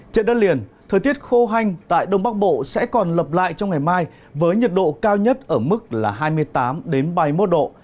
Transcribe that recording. trên đất liền thời tiết khô hanh tại đông bắc bộ sẽ còn lập lại trong ngày mai với nhiệt độ cao nhất ở mức là hai mươi tám ba mươi một độ